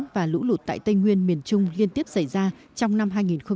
và lũ lụt tại tây nguyên miền trung liên tiếp xảy ra trong năm hai nghìn hai mươi